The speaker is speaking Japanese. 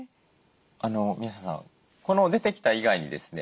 宮下さん出てきた以外にですね